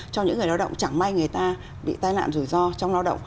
cho những người lao động chẳng may người ta bị tai nạn rủi ro trong lao động